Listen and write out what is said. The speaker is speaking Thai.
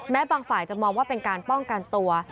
บางฝ่ายจะมองว่าเป็นการป้องกันตัว